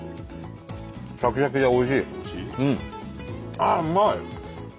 ああうまい！